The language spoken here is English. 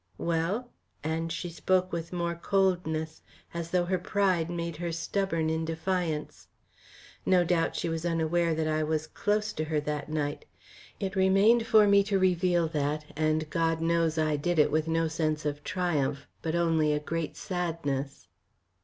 "Well?" and she spoke with more coldness, as though her pride made her stubborn in defiance. No doubt she was unaware that I was close to her that night. It remained for me to reveal that, and God knows I did it with no sense of triumph, but only a great sadness.